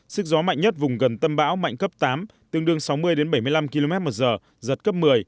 sức gió mạnh nhất vùng gần tâm bão mạnh cấp tám tương đương sáu mươi bảy mươi năm km một giờ giật cấp một mươi